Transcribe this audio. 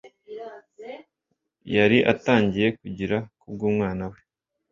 yari atangiye kugira kubw'umwana we